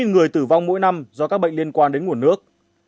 chín người tử vong mỗi năm do các bệnh liên quan đến nguồn nước